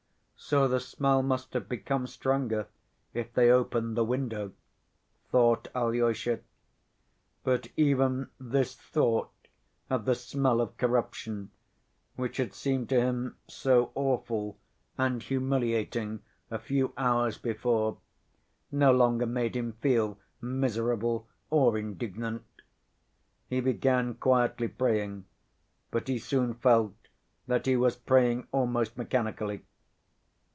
"So the smell must have become stronger, if they opened the window," thought Alyosha. But even this thought of the smell of corruption, which had seemed to him so awful and humiliating a few hours before, no longer made him feel miserable or indignant. He began quietly praying, but he soon felt that he was praying almost mechanically.